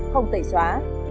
không tẩy xóa